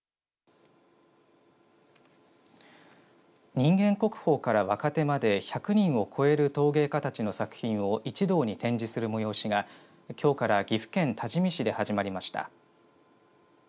人間国宝から若手まで１００人を超える陶芸家たちの作品を一堂に展示する催しがきょうから岐阜県多治見市で始まりました。